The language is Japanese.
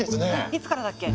いつからだっけ？